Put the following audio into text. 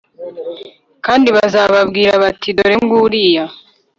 kandi bazababwira bati dore nguriya